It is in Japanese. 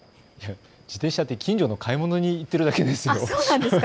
自転車、近所の買い物に行っているだけですよ。